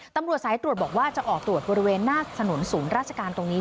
ตำรวจสายตรวจบอกว่าจะออกตรวจบริเวณหน้าถนนศูนย์ราชการตรงนี้